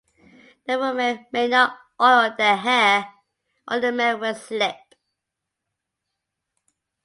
The women may not oil their hair, or the men will slip.